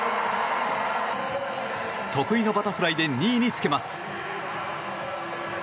得意のバタフライで２位につけます。